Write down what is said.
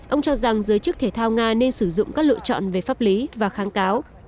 ông cho rằng giới chức thể thao nga nên sử dụng các lựa chọn về pháp lý và kháng cáo